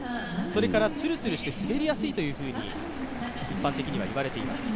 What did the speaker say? それからツルツルして滑りやすいと一般的には言われています。